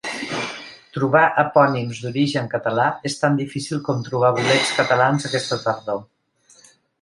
Trobar epònims d'origen català és tan difícil com trobar bolets catalans aquesta tardor.